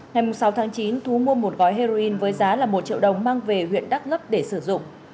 ngày sáu tháng chín thu mua một gói heroin với giá là một triệu đồng mang về huyện đắk lấp để sử dụng